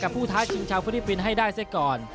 กับผู้ท้ายชิงชาวฟริกปินให้ได้ซะก่อน